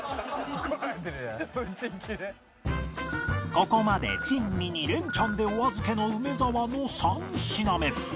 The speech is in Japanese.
ここまで珍味２連チャンでお預けの梅沢の３品目